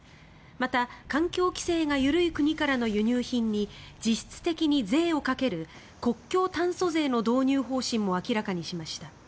また、環境規制が緩い国からの輸入品に実質的に税をかける国境炭素税の導入方針も明らかにしました。